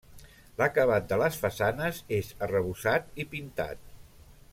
L'acabat de les façanes és arrebossat i pintat.